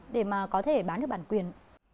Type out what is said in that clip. để mà có thể bán được bản quyền